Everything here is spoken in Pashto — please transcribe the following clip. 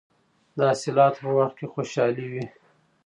د حاصلاتو په وخت کې خوشحالي وي.